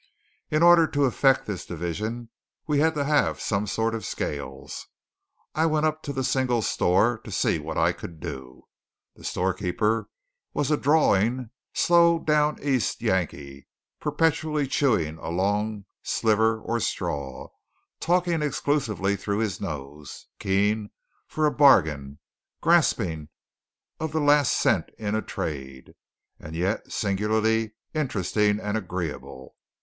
In order to effect this division we had to have some sort of scales. I went up to the single store to see what I could do. The storekeeper was a drawling, slow, down east Yankee, perpetually chewing a long sliver or straw, talking exclusively through his nose, keen for a bargain, grasping of the last cent in a trade, and yet singularly interesting and agreeable.